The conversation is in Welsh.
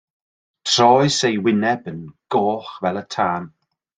Troes ei wyneb yn goch fel y tân.